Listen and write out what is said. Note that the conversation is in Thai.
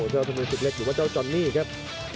เจ้าขโมยศึกเล็กหรือว่าเจ้าจอนนี่ครับ